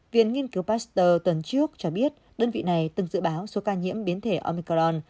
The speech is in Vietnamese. viện nghiên cứu pasteur tuần trước cho biết đơn vị này từng dự báo số ca nhiễm biến thể omicron